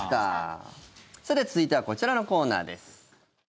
さて、続いてはこちらのコーナーです。